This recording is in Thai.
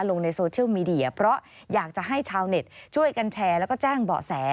ลงในโซเชียลมีเดียเพราะอยากจะให้ชาวเน็ตช่วยกันแชร์แล้วก็แจ้งเบาะแส